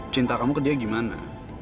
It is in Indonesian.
cinta kamu ke dia gimana